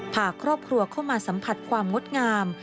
พาครอบครัวเข้ามาสัมผัสความงดงาม